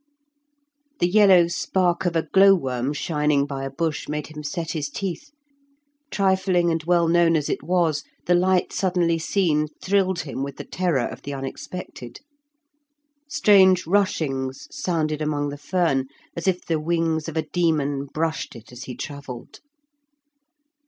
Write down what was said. The yellow spark of a glowworm shining by a bush made him set his teeth; trifling and well known as it was, the light suddenly seen thrilled him with the terror of the unexpected. Strange rushings sounded among the fern, as if the wings of a demon brushed it as he travelled.